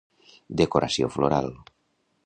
Decoració floral.